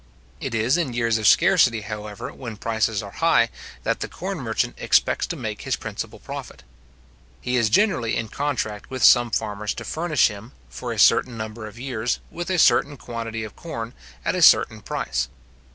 It is in years of scarcity, however, when prices are high, that the corn merchant expects to make his principal profit. He is generally in contract with some farmers to furnish him, for a certain number of years, with a certain quantity of corn, at a certain price.